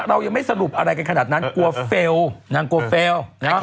เรายังไม่สรุปอะไรกันขนาดนั้นกลัวเฟลล์นางกลัวเฟลล์